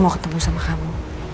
mau ketemu sama kamu